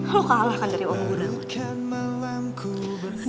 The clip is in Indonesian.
lo kalahkan dari orang guna